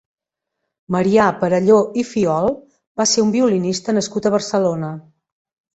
Marià Perelló i Fiol va ser un violinista nascut a Barcelona.